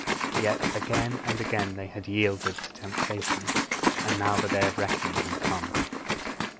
Yet again and again they had yielded to temptation. And now the day of reckoning had come.